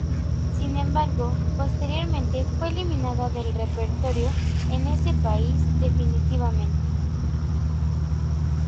Sin embargo, posteriormente fue eliminada del repertorio en ese país definitivamente.